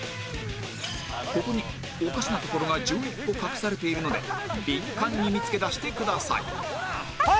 ここにおかしなところが１１個隠されているのでビンカンに見つけ出してください